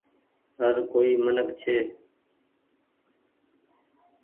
هر ڪوئي منک ڇي۔